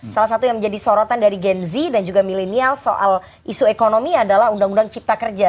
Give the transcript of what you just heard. salah satu yang menjadi sorotan dari gen z dan juga milenial soal isu ekonomi adalah undang undang cipta kerja